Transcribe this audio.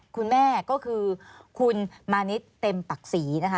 คุณแม่ก็คือคุณมานิดเต็มปักศรีนะคะ